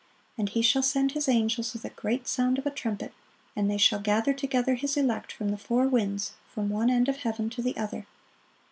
And He shall send His angels with a great sound of a trumpet, and they shall gather together His elect from the four winds, from one end of heaven to the other."